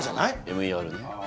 「ＭＥＲ」ね